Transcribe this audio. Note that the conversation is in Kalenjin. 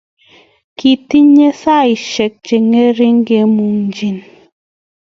Kitinye saishek chengering kemungye